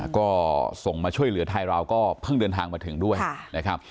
ก็ส่งมาช่วยเหลือไทยเราก็เพิ่งเดินทางมาถึงด้วยนะครับ